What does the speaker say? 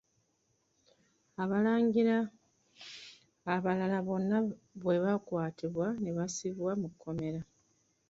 Abalangira abalala bonna bwe baakwatibwa ne bassibwa mu kkomera.